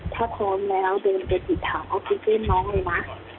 ถ้าพร้อมแล้วเดินไปถิดถามออฟฟิเซ็นต์น้องเลยนะ